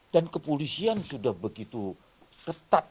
dan kepolisian sudah begitu ketat